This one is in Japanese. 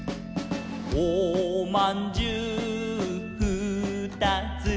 「おまんじゅうふーたつ」